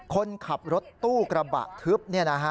คนขับรถตู้กระบะทึบ